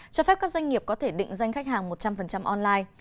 cho phép các doanh nghiệp có thể định danh khách hàng một trăm linh online